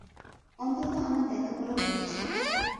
অন্তত আমার দেখা করা উচিত ছিল।